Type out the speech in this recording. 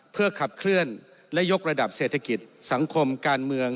เพื่อขับเคลื่อนและยกระดับเศรษฐกิจสังคมการเมือง